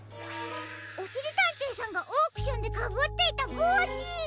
おしりたんていさんがオークションでかぶっていたぼうし！